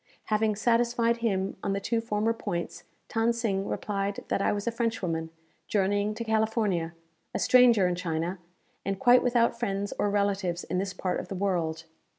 Having satisfied him on the two former points, Than Sing replied that I was a Frenchwoman, journeying to California, a stranger in China, and quite without friends or relatives in this part of the world.